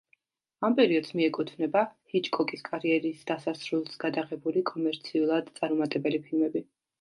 ამ პერიოდს მიეკუთვნება ჰიჩკოკის კარიერის დასასრულს გადაღებული, კომერციულად წარუმატებელი ფილმები.